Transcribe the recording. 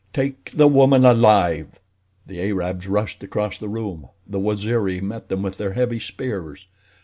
Take the woman alive!" The Arabs rushed across the room; the Waziri met them with their heavy spears.